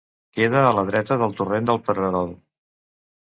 Queda a la dreta del torrent del Pererol.